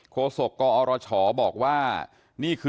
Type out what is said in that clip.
โคศกรรชาวันนี้ได้นำคลิปบอกว่าเป็นคลิปที่ทางตำรวจเอามาแถลงวันนี้นะครับ